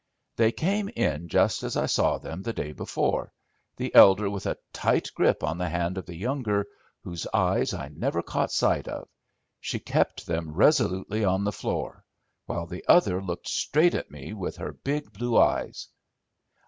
They came in just as I saw them the day before, the elder with a tight grip on the hand of the younger, whose eyes I never caught sight of. She kept them resolutely on the floor, while the other looked straight at me with her big, blue eyes.